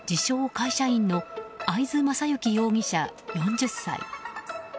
会社員の会津政行容疑者、４０歳。